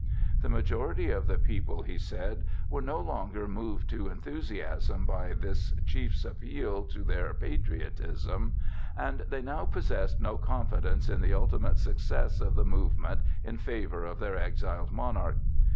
The majority of the people, he said, were no longer moved to enthusiasm by this chiefs appeals to their patriotism, and they now possessed no confidence in the ultimate success of the movement in favour of their exiled monarch.